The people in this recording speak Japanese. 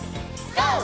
ＧＯ！